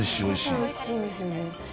すごくおいしいんですよね。